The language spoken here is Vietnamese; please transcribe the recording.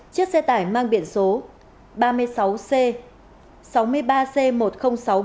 chiếc xe tải mang biển số ba mươi sáu c sáu mươi ba c một nghìn sáu mươi ba